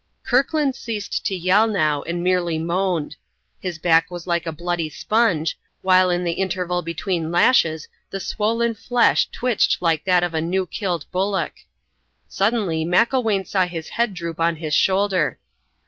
Kirkland ceased to yell now, and merely moaned. His back was like a bloody sponge, while in the interval between lashes the swollen flesh twitched like that of a new killed bullock. Suddenly, Macklewain saw his head droop on his shoulder.